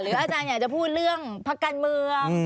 อาจารย์อยากจะพูดเรื่องพักการเมือง